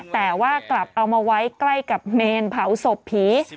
แต่ว่ากลับเอามาไว้ใกล้กับเมนเผาศพผี